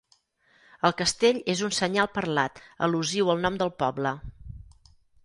El castell és un senyal parlat al·lusiu al nom del poble.